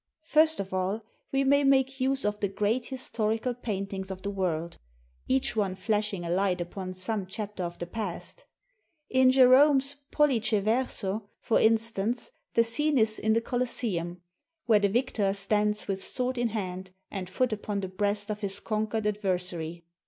First of all, we may make use of the great historical paintings of the world, each one flashing a light upon some chapter of the past. In Gerome's "Pollice Verso," for instance, the scene is in the Colosseum, where the victor stands with sword in hand and foot upon the breast of his conquered adversary.